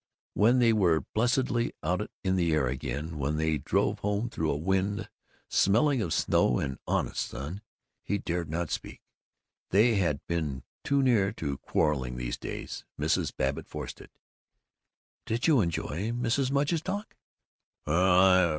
When they were blessedly out in the air again, when they drove home through a wind smelling of snow and honest sun, he dared not speak. They had been too near to quarreling, these days. Mrs. Babbitt forced it: "Did you enjoy Mrs. Mudge's talk?"